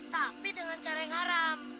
tapi dengan cara yang haram